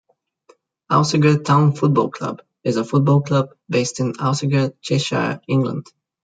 Alsager Town Football Club is a football club, based in Alsager, Cheshire, England.